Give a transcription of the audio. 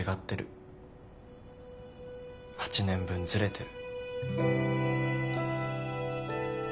８年分ずれてる。